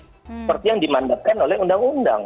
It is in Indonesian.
seperti yang dimandatkan oleh undang undang